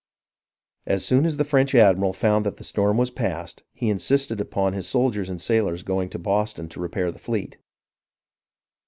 As soon as the French admiral found that the storm was past, he insisted upon his soldiers and sailors going to Boston to repair the fleet.